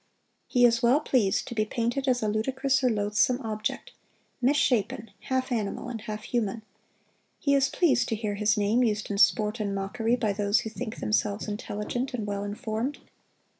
He is well pleased to be painted as a ludicrous or loathsome object, misshapen, half animal and half human. He is pleased to hear his name used in sport and mockery by those who think themselves intelligent and well informed.